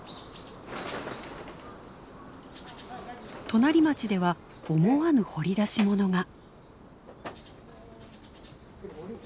隣町では思わぬ掘り出し物が。